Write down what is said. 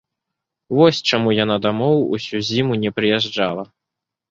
Вось чаму яна дамоў усю зіму не прыязджала.